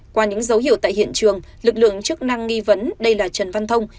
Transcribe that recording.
qua những dấu hiệu tại hiện trường lực lượng chức năng nghi vấn đây là trần văn thông